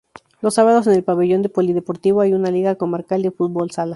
Los sábados, en el pabellón polideportivo, hay una liga comarcal de fútbol sala.